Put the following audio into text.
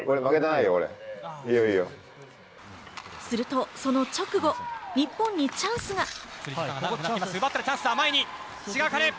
するとその直後、日本にチャンスが！